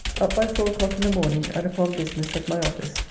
Up by four o'clock in the morning and upon business at my office.